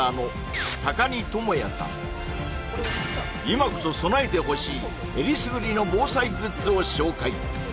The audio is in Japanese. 今こそ備えてほしいえりすぐりの防災グッズを紹介